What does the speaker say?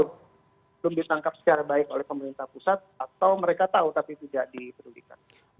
belum ditangkap secara baik oleh pemerintah pusat atau mereka tahu tapi tidak diperugikan